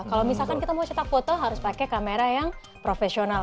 kalau misalkan kita mau cetak foto harus pakai kamera yang profesional